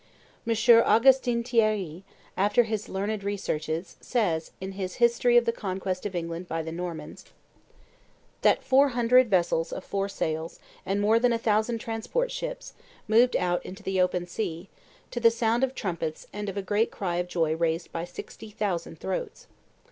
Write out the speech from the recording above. M. Augustin Thierry, after his learned researches, says, in his history of the Conquest of England by the Normans, that "four hundred vessels of four sails, and more than a thousand transport ships, moved out into the open sea, to the sound of trumpets and of a great cry of joy raised by sixty thousand throats."